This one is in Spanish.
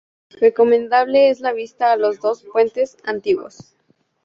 Recomendable es la visita a los dos puentes antiguos.